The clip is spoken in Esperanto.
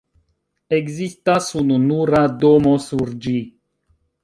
Ekzistas ununura domo sur ĝi.